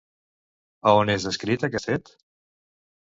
A on és descrit aquest fet?